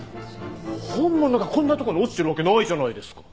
本物がこんなとこに落ちてるわけないじゃないですか。